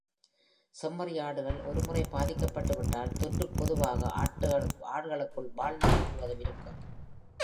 செம்மறி ஆடுகள் ஒரு முறை பாதிக்கப்பட்டுவிட்டால், தொற்றுப் பொதுவாக ஆடுகளுக்குள் வாழ்நாள் முழுவதும் இருக்கும்.